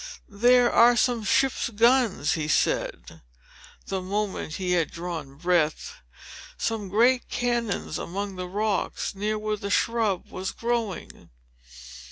"There are some ship's guns," said he, the moment he had drawn breath, "some great cannon among the rocks, near where the shrub was growing."